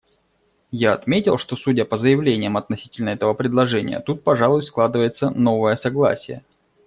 Я отметил, что, судя по заявлениям относительно этого предложения, тут, пожалуй, складывается новое согласие.